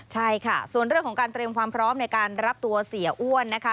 ใช่ค่ะส่วนเรื่องของการเตรียมความพร้อมในการรับตัวเสียอ้วนนะคะ